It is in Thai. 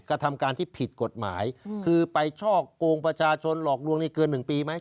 กระทำการที่ผิดกฎหมายคือไปช่อกงประชาชนหลอกลวงนี่เกิน๑ปีไหม